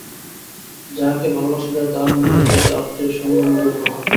যাহাকে ভালোবাসা যায় তাহার নিকটবর্তী আত্মীয়ের সঙ্গ মধুর বোধ হয়।